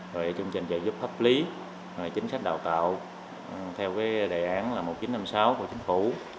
rồi chương trình giúp hấp lý chính sách đào tạo theo đề án một nghìn chín trăm năm mươi sáu của chính phủ